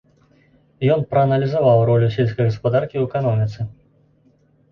Ён прааналізаваў ролю сельскай гаспадаркі ў эканоміцы.